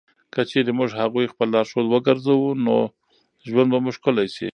که چېرې موږ هغوی خپل لارښود وګرځوو، نو ژوند به مو ښکلی شي.